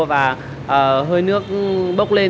và hơi nước bốc lên